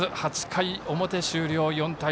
８回表終了、４対３。